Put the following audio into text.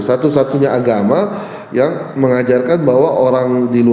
satu satunya agama yang mengajarkan bahwa orang di luar